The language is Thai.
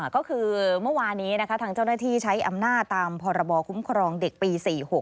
ก็คือเมื่อวานี้ทางเจ้าหน้าที่ใช้อำนาจตามพรบคุ้มครองเด็กปี๔๖